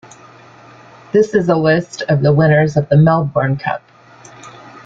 This is a list of the winners of the Melbourne Cup.